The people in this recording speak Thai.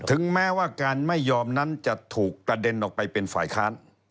ถึงแม้ว่าการไม่ยอมนั้นจะถูกกระเด็นออกไปเป็นฝ่ายค้าน